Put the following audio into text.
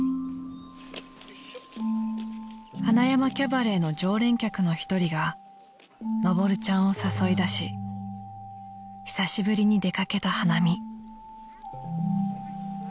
［塙山キャバレーの常連客の一人がのぼるちゃんを誘い出し久しぶりに出掛けた花見］